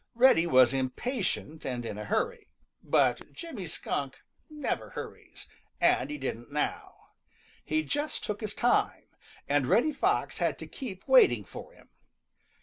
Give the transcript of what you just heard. Reddy was impatient and in a hurry. But Jimmy Skunk never hurries, and he didn't now. He just took his time, and Reddy Fox had to keep waiting for him.